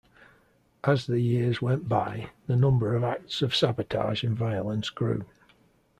As the years went by, the number of acts of sabotage and violence grew.